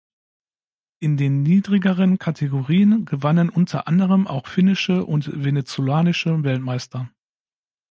In den niedrigeren Kategorien gewannen unter anderem auch finnische und venezolanische Weltmeister.